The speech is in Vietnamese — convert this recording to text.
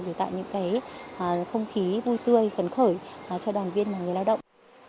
để tạo những không khí vui tươi phấn khởi cho đoàn viên và người lao động